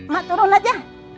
mak turun aja